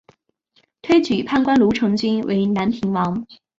推举判官卢成均为南平王。